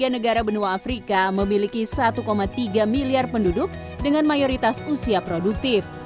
tiga negara benua afrika memiliki satu tiga miliar penduduk dengan mayoritas usia produktif